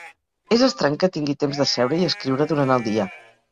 És estrany que tingui temps de seure i escriure durant el dia.